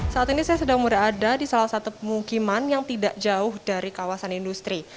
saat ini saya sedang berada di salah satu pemukiman yang tidak jauh dari kawasan industri